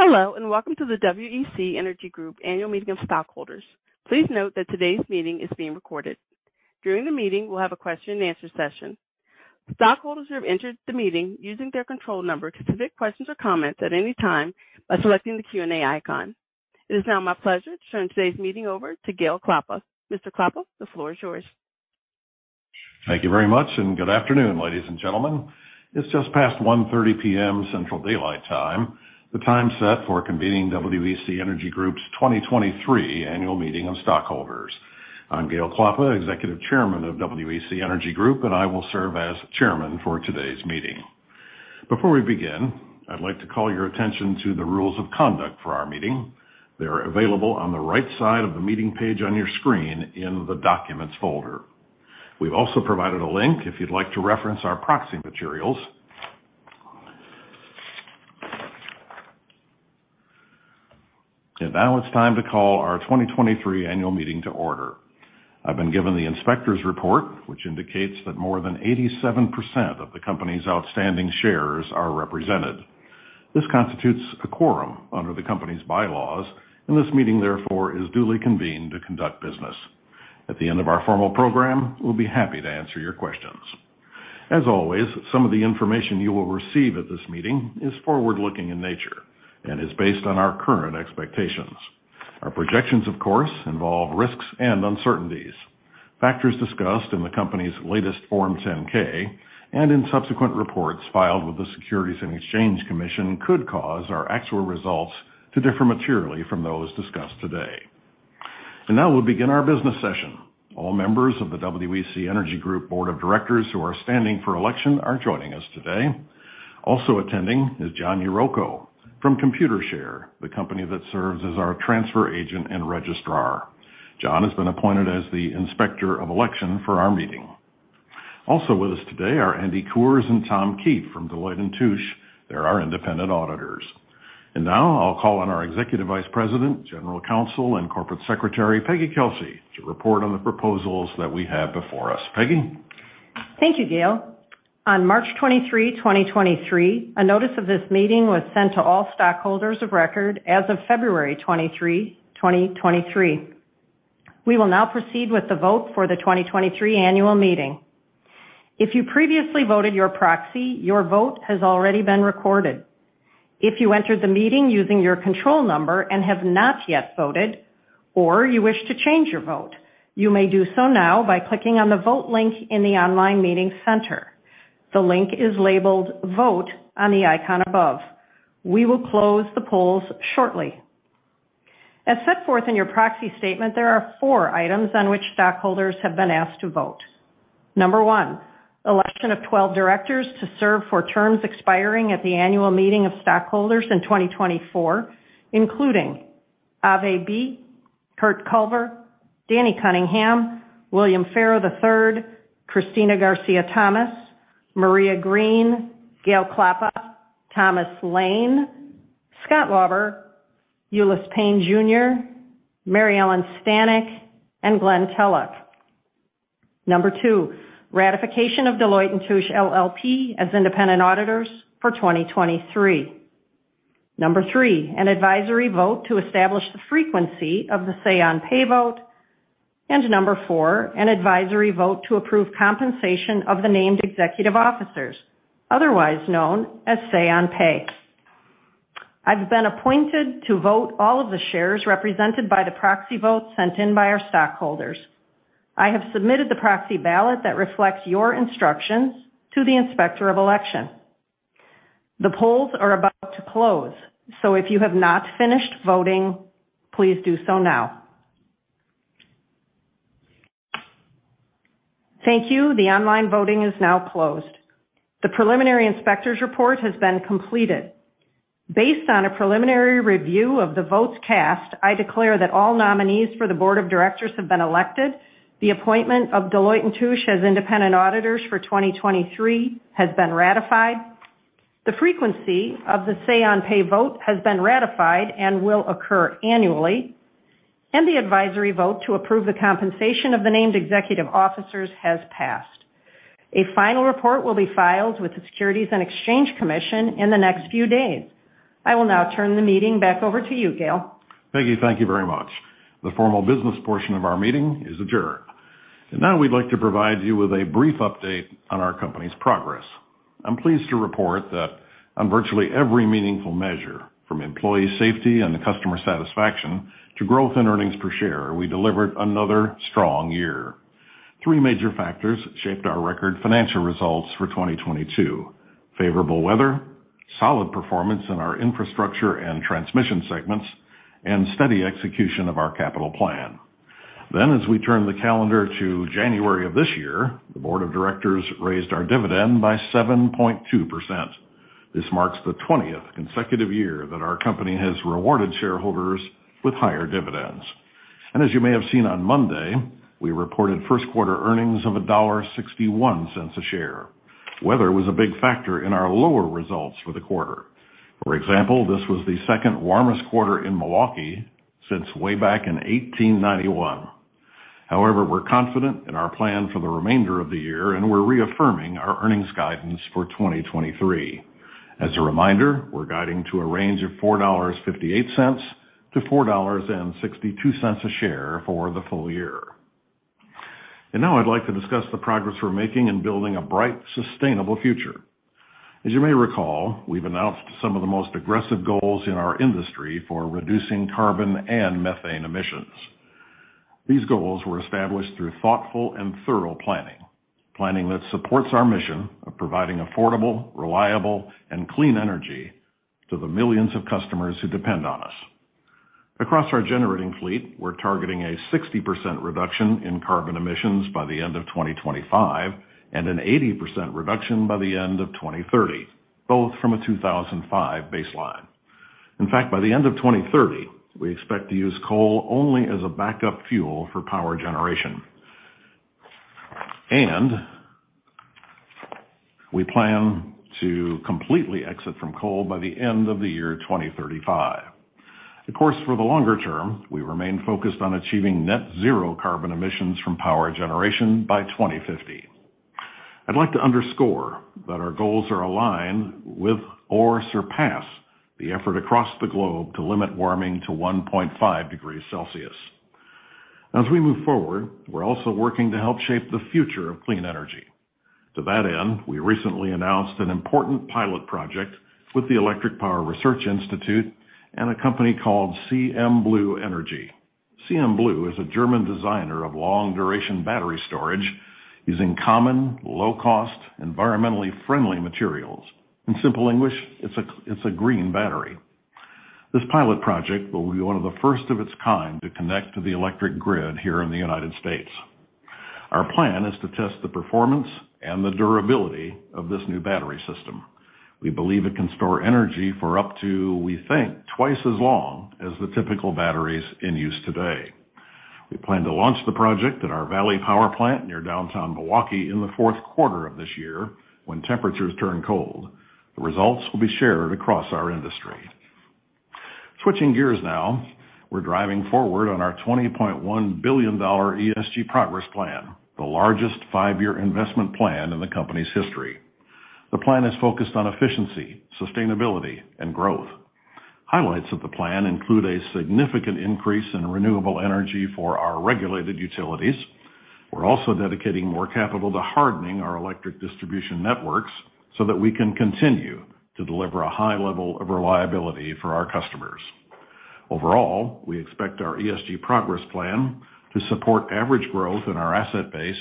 Hello, welcome to the WEC Energy Group annual meeting of stockholders. Please note that today's meeting is being recorded. During the meeting, we'll have a question and answer session. Stockholders who have entered the meeting using their control number can submit questions or comments at any time by selecting the Q&A icon. It is now my pleasure to turn today's meeting over to Gale Klappa. Mr. Klappa, the floor is yours. Thank you very much. Good afternoon, ladies and gentlemen. It's just past 1:30 PM Central Daylight Time, the time set for convening WEC Energy Group's 2023 annual meeting of stockholders. I'm Gale Klappa, Executive Chairman of WEC Energy Group. I will serve as chairman for today's meeting. Before we begin, I'd like to call your attention to the rules of conduct for our meeting. They are available on the right side of the meeting page on your screen in the Documents folder. We've also provided a link if you'd like to reference our proxy materials. Now it's time to call our 2023 annual meeting to order. I've been given the inspector's report, which indicates that more than 87% of the company's outstanding shares are represented. This constitutes a quorum under the company's bylaws. This meeting, therefore, is duly convened to conduct business. At the end of our formal program, we'll be happy to answer your questions. Some of the information you will receive at this meeting is forward-looking in nature and is based on our current expectations. Our projections, of course, involve risks and uncertainties. Factors discussed in the company's latest Form 10-K and in subsequent reports filed with the Securities and Exchange Commission could cause our actual results to differ materially from those discussed today. Now we'll begin our business session. All members of the WEC Energy Group board of directors who are standing for election are joining us today. Also attending is John Ruocco from Computershare, the company that serves as our transfer agent and registrar. John has been appointed as the Inspector of Election for our meeting. Also with us today are Andy Coors and Tom Keefe from Deloitte & Touche. They're our independent auditors. Now I'll call on our Executive Vice President, General Counsel, and Corporate Secretary, Peggy Kelsey, to report on the proposals that we have before us. Peggy? Thank you, Gale. On March 23, 2023, a notice of this meeting was sent to all stockholders of record as of February 23, 2023. We will now proceed with the vote for the 2023 annual meeting. If you previously voted your proxy, your vote has already been recorded. If you entered the meeting using your control number and have not yet voted, or you wish to change your vote, you may do so now by clicking on the Vote link in the online meeting center. The link is labeled Vote on the icon above. We will close the polls shortly. As set forth in your proxy statement, there are four items on which stockholders have been asked to vote. Number one, election of 12 directors to serve for terms expiring at the annual meeting of stockholders in 2024, including Ave M. Bie, Curt S. Culver, Danny L. Cunningham, William M. Farrow III, Cristina A. Garcia-Thomas, Maria C. Green, Gale E. Klappa, Thomas K. Lane, Scott Lauber, Ulice Payne Jr., Mary Ellen Stanek, and Glen E. Tellock. Number two, ratification of Deloitte & Touche LLP as independent auditors for 2023. Number three, an advisory vote to establish the frequency of the say on pay vote. Number four, an advisory vote to approve compensation of the named executive officers, otherwise known as say on pay. I've been appointed to vote all of the shares represented by the proxy votes sent in by our stockholders. I have submitted the proxy ballot that reflects your instructions to the Inspector of Election. The polls are about to close, so if you have not finished voting, please do so now. Thank you. The online voting is now closed. The preliminary inspector's report has been completed. Based on a preliminary review of the votes cast, I declare that all nominees for the board of directors have been elected, the appointment of Deloitte & Touche as independent auditors for 2023 has been ratified, the frequency of the say on pay vote has been ratified and will occur annually, and the advisory vote to approve the compensation of the named executive officers has passed. A final report will be filed with the Securities and Exchange Commission in the next few days. I will now turn the meeting back over to you, Gale. Peggy, thank you very much. The formal business portion of our meeting is adjourned. now we'd like to provide you with a brief update on our company's progress. I'm pleased to report that on virtually every meaningful measure, from employee safety and the customer satisfaction to growth and earnings per share, we delivered another strong year. Three major factors shaped our record financial results for 2022. Favorable weather, solid performance in our infrastructure and transmission segments, and steady execution of our capital plan. as we turn the calendar to January of this year, the board of directors raised our dividend by 7.2%. This marks the 20th consecutive year that our company has rewarded shareholders with higher dividends. as you may have seen on Monday, we reported first quarter earnings of $1.61 a share. Weather was a big factor in our lower results for the quarter. For example, this was the second warmest quarter in Milwaukee since way back in 1891. However, we're confident in our plan for the remainder of the year, and we're reaffirming our earnings guidance for 2023. As a reminder, we're guiding to a range of $4.58-$4.62 a share for the full year. Now I'd like to discuss the progress we're making in building a bright, sustainable future. As you may recall, we've announced some of the most aggressive goals in our industry for reducing carbon and methane emissions. These goals were established through thoughtful and thorough planning that supports our mission of providing affordable, reliable, and clean energy to the millions of customers who depend on us. Across our generating fleet, we're targeting a 60% reduction in carbon emissions by the end of 2025, and an 80% reduction by the end of 2030, both from a 2005 baseline. In fact, by the end of 2030, we expect to use coal only as a backup fuel for power generation. We plan to completely exit from coal by the end of the year 2035. Of course, for the longer term, we remain focused on achieving net zero carbon emissions from power generation by 2050. I'd like to underscore that our goals are aligned with or surpass the effort across the globe to limit warming to 1.5 degrees Celsius. As we move forward, we're also working to help shape the future of clean energy. To that end, we recently announced an important pilot project with the Electric Power Research Institute and a company called CMBlu Energy. CMBlu is a German designer of long-duration battery storage using common, low-cost, environmentally friendly materials. In simple English, it's a green battery. This pilot project will be one of the first of its kind to connect to the electric grid here in the United States. Our plan is to test the performance and the durability of this new battery system. We believe it can store energy for up to, we think, twice as long as the typical batteries in use today. We plan to launch the project at our Valley Power Plant near downtown Milwaukee in the fourth quarter of this year, when temperatures turn cold. The results will be shared across our industry. Switching gears now. We're driving forward on our $20.1 billion ESG Progress Plan, the largest five-year investment plan in the company's history. The plan is focused on efficiency, sustainability, and growth. Highlights of the plan include a significant increase in renewable energy for our regulated utilities. We're also dedicating more capital to hardening our electric distribution networks so that we can continue to deliver a high level of reliability for our customers. Overall, we expect our ESG Progress Plan to support average growth in our asset base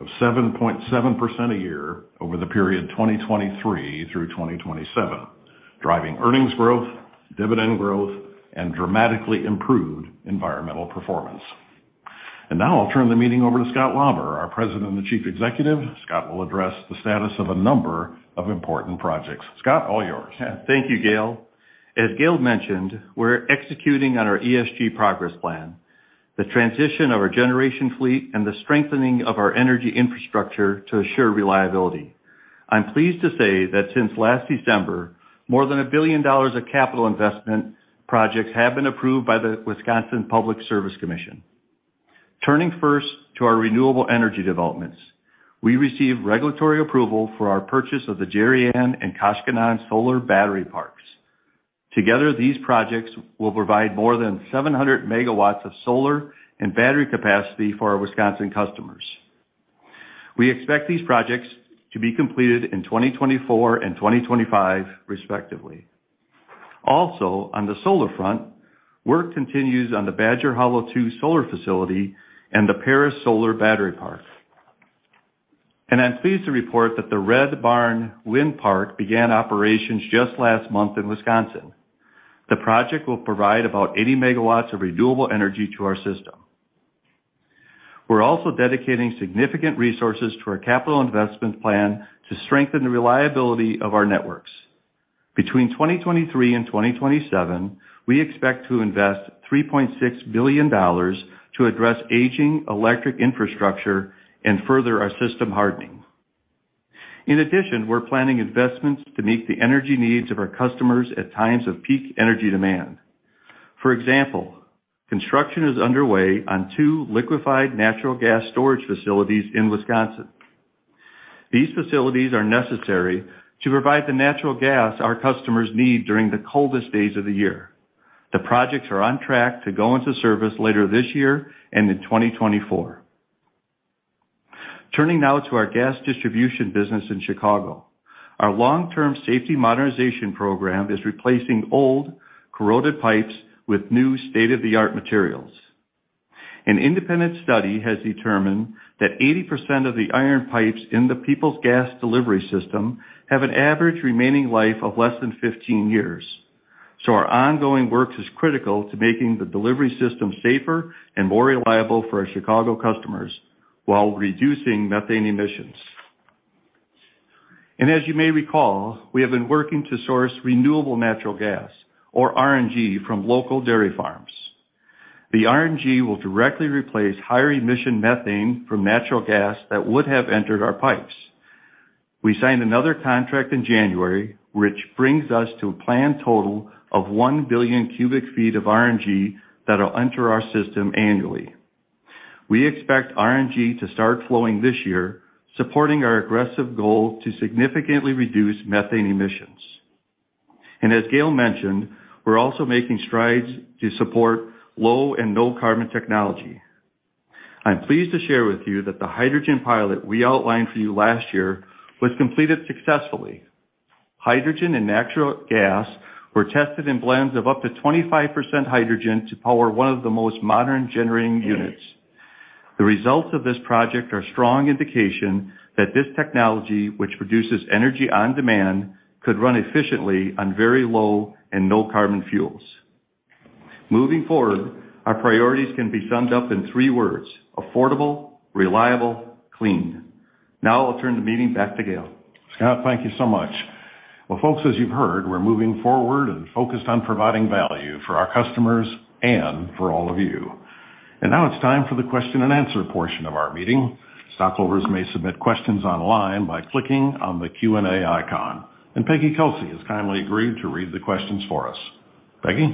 of 7.7% a year over the period 2023 to 2027, driving earnings growth, dividend growth, and dramatically improved environmental performance. Now I'll turn the meeting over to Scott Lauber, our President and Chief Executive. Scott will address the status of a number of important projects. Scott, all yours. Thank you, Gail. As Gail mentioned, we're executing on our ESG Progress Plan, the transition of our generation fleet, and the strengthening of our energy infrastructure to assure reliability. I'm pleased to say that since last December, more than $1 billion of capital investment projects have been approved by the Public Service Commission of Wisconsin. Turning first to our renewable energy developments, we received regulatory approval for our purchase of the Darien and Koshkonong Solar-Battery Parks. Together, these projects will provide more than 700 MW of solar and battery capacity for our Wisconsin customers. We expect these projects to be completed in 2024 and 2025, respectively. On the solar front, work continues on the Badger Hollow II solar facility and the Paris Solar Battery Park. I'm pleased to report that the Red Barn Wind Park began operations just last month in Wisconsin. The project will provide about 80 MV of renewable energy to our system. We're also dedicating significant resources to our capital investment plan to strengthen the reliability of our networks. Between 2023 and 2027, we expect to invest $3.6 billion to address aging electric infrastructure and further our system hardening. In addition, we're planning investments to meet the energy needs of our customers at times of peak energy demand. For example, construction is underway on two liquefied natural gas storage facilities in Wisconsin. These facilities are necessary to provide the natural gas our customers need during the coldest days of the year. The projects are on track to go into service later this year and in 2024. Turning now to our gas distribution business in Chicago. Our long-term safety modernization program is replacing old, corroded pipes with new state-of-the-art materials. An independent study has determined that 80% of the iron pipes in the Peoples Gas delivery system have an average remaining life of less than 15 years. Our ongoing works is critical to making the delivery system safer and more reliable for our Chicago customers while reducing methane emissions. As you may recall, we have been working to source renewable natural gas, or RNG, from local dairy farms. The RNG will directly replace higher-emission methane from natural gas that would have entered our pipes. We signed another contract in January, which brings us to a planned total of 1 billion cubic feet of RNG that'll enter our system annually. We expect RNG to start flowing this year, supporting our aggressive goal to significantly reduce methane emissions. As Gale mentioned, we're also making strides to support low and no carbon technology. I'm pleased to share with you that the hydrogen pilot we outlined for you last year was completed successfully. Hydrogen and natural gas were tested in blends of up to 25% hydrogen to power one of the most modern generating units. The results of this project are a strong indication that this technology, which produces energy on demand, could run efficiently on very low and no carbon fuels. Moving forward, our priorities can be summed up in three words: affordable, reliable, clean. I'll turn the meeting back to Gale. Scott, thank you so much. Well, folks, as you've heard, we're moving forward and focused on providing value for our customers and for all of you. Now it's time for the question-and-answer portion of our meeting. Stockholders may submit questions online by clicking on the Q&A icon. Peggy Kelsey has kindly agreed to read the questions for us. Peggy?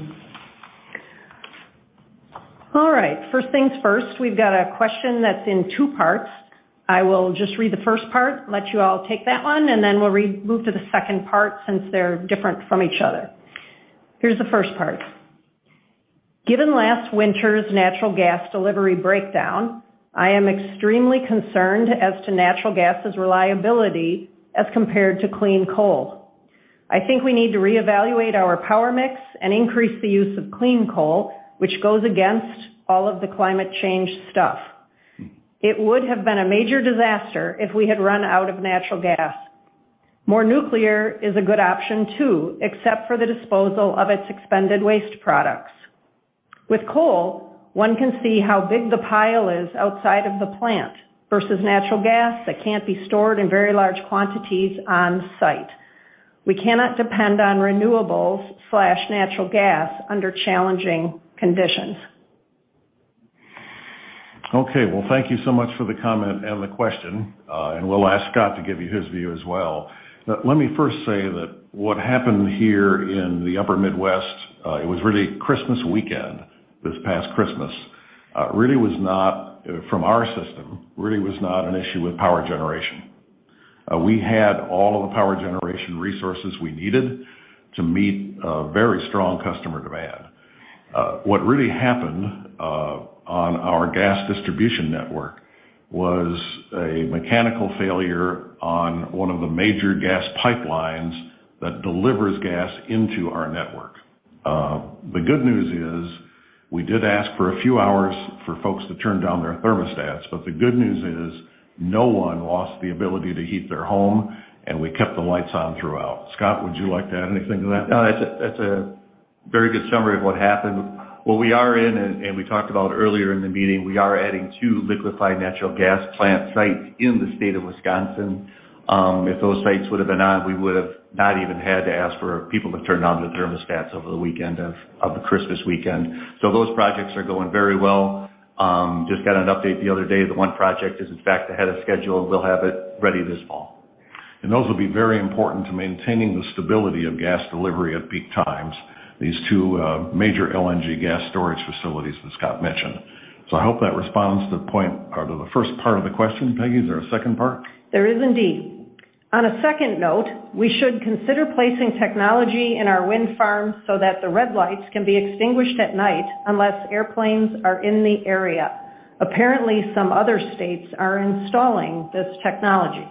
All right, first things first. We've got a question that's in two parts. I will just read the first part, let you all take that one, and then we'll move to the second part since they're different from each other. Here's the first part. Given last winter's natural gas delivery breakdown, I am extremely concerned as to natural gas's reliability as compared to clean coal. I think we need to reevaluate our power mix and increase the use of clean coal, which goes against all of the climate change stuff. It would have been a major disaster if we had run out of natural gas. More nuclear is a good option, too, except for the disposal of its expended waste products. With coal, one can see how big the pile is outside of the plant versus natural gas that can't be stored in very large quantities on-site. We cannot depend on renewables slash natural gas under challenging conditions. Okay. Well, thank you so much for the comment and the question, and we'll ask Scott to give you his view as well. Let me first say that what happened here in the upper Midwest, it was really Christmas weekend, this past Christmas, really was not, from our system, really was not an issue with power generation. We had all of the power generation resources we needed to meet a very strong customer demand. What really happened, on our gas distribution network was a mechanical failure on one of the major gas pipelines that delivers gas into our network. The good news is we did ask for a few hours for folks to turn down their thermostats, but the good news is no one lost the ability to heat their home, and we kept the lights on throughout. Scott, would you like to add anything to that? No, that's a very good summary of what happened. What we are in, and we talked about earlier in the meeting, we are adding two liquefied natural gas plant sites in the state of Wisconsin. If those sites would have been on, we would have not even had to ask for people to turn down the thermostats over the weekend of the Christmas weekend. Those projects are going very well. Just got an update the other day that one project is, in fact, ahead of schedule. We'll have it ready this fall. Those will be very important to maintaining the stability of gas delivery at peak times, these two major LNG gas storage facilities that Scott mentioned. I hope that responds to the point or to the first part of the question. Peggy, is there a second part? There is indeed. On a second note, we should consider placing technology in our wind farms so that the red lights can be extinguished at night unless airplanes are in the area. Apparently, some other states are installing this technology.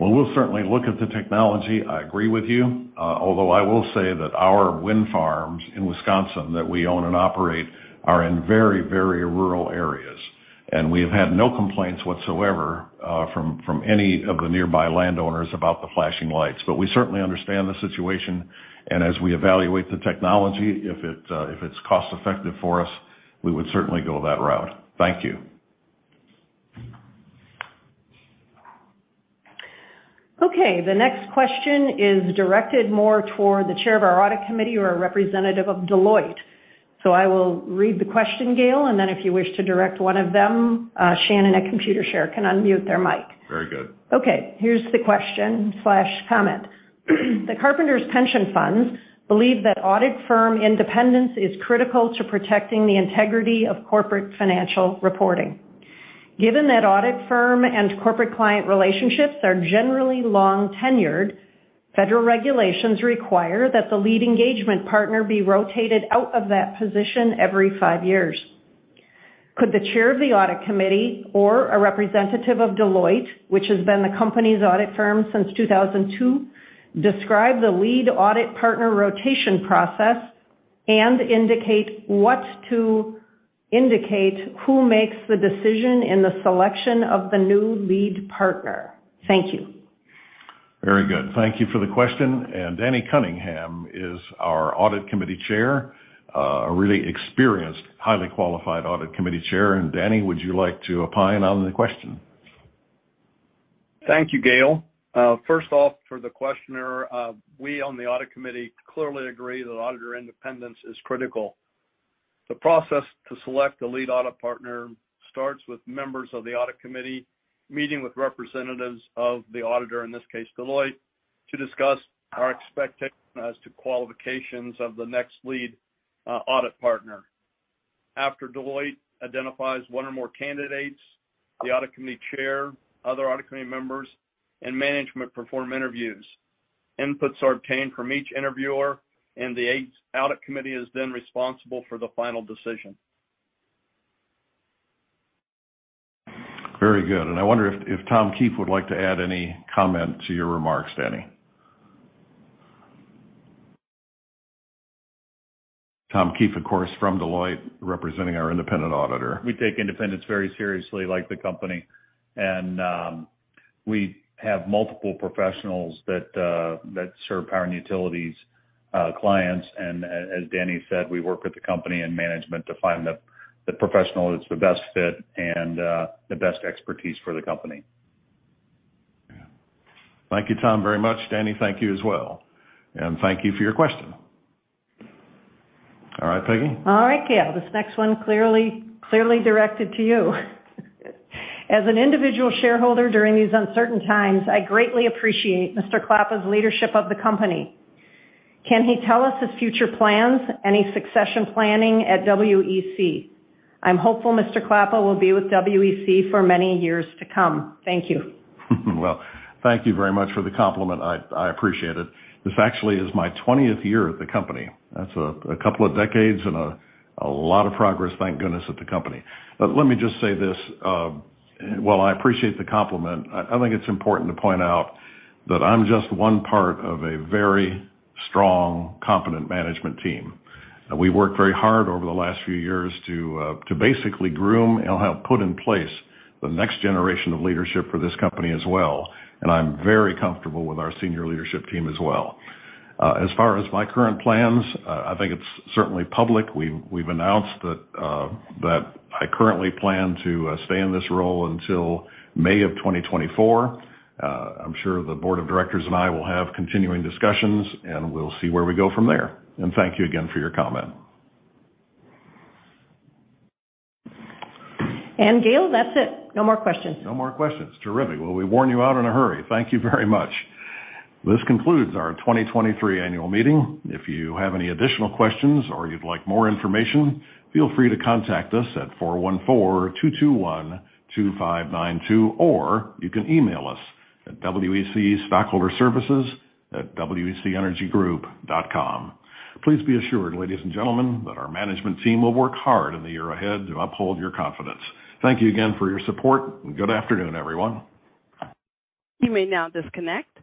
Well, we'll certainly look at the technology. I agree with you, although I will say that our wind farms in Wisconsin that we own and operate are in very, very rural areas. We have had no complaints whatsoever, from any of the nearby landowners about the flashing lights. We certainly understand the situation, and as we evaluate the technology, if it, if it's cost-effective for us, we would certainly go that route. Thank you. The next question is directed more toward the chair of our audit committee or a representative of Deloitte. I will read the question, Gale, and then if you wish to direct one of them, Shannon at Computershare can unmute their mic. Very good. Here's the question slash comment. The Carpenters pension funds believe that audit firm independence is critical to protecting the integrity of corporate financial reporting. Given that audit firm and corporate client relationships are generally long-tenured, federal regulations require that the lead engagement partner be rotated out of that position every five years. Could the chair of the audit committee or a representative of Deloitte, which has been the company's audit firm since 2002, describe the lead audit partner rotation process and indicate who makes the decision in the selection of the new lead partner? Thank you. Very good. Thank you for the question. Danny Cunningham is our Audit Committee Chair, a really experienced, highly qualified audit committee chair. Danny, would you like to opine on the question? Thank you, Gale. First off, for the questioner, we on the audit committee clearly agree that auditor independence is critical. The process to select the lead audit partner starts with members of the audit committee meeting with representatives of the auditor, in this case, Deloitte, to discuss our expectations as to qualifications of the next lead audit partner. After Deloitte identifies one or more candidates, the audit committee chair, other audit committee members, and management perform interviews. Inputs are obtained from each interviewer and the audit committee is then responsible for the final decision. Very good. I wonder if Tom Keefe would like to add any comment to your remarks, Danny. Tom Keefe, of course, from Deloitte, representing our independent auditor. We take independence very seriously like the company. We have multiple professionals that serve power and utilities clients. As Danny said, we work with the company and management to find the professional that's the best fit and the best expertise for the company. Yeah. Thank you, Tom, very much. Danny, thank you as well, and thank you for your question. All right, Peggy. All right, Gale. This next one clearly directed to you. As an individual shareholder during these uncertain times, I greatly appreciate Mr. Klappa's leadership of the company. Can he tell us his future plans? Any succession planning at WEC? I'm hopeful Mr. Klappa will be with WEC for many years to come. Thank you. Well, thank you very much for the compliment. I appreciate it. This actually is my 20th year at the company. That's a couple of decades and a lot of progress, thank goodness, at the company. Let me just say this. While I appreciate the compliment, I think it's important to point out that I'm just one part of a very strong, competent management team. We worked very hard over the last few years to basically groom and help put in place the next generation of leadership for this company as well, and I'm very comfortable with our senior leadership team as well. As far as my current plans, I think it's certainly public. We've announced that I currently plan to stay in this role until May of 2024. I'm sure the board of directors and I will have continuing discussions, and we'll see where we go from there. Thank you again for your comment. Gale, that's it. No more questions. No more questions. Terrific. Well, we warn you out in a hurry. Thank you very much. This concludes our 2023 annual meeting. If you have any additional questions or you'd like more information, feel free to contact us at 414.221.2592, or you can email us at WEC Stockholder Services at wecenergygroup.com. Please be assured, ladies and gentlemen, that our management team will work hard in the year ahead to uphold your confidence. Thank you again for your support. Good afternoon, everyone. You may now disconnect.